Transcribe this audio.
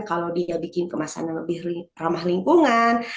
kalau dia bikin kemasan yang lebih ramah lingkungan